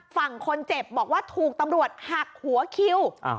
ฝั่งคนเจ็บบอกว่าถูกตำรวจหักหัวคิว